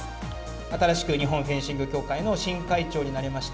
新しくフェンシング協会の新会長になりました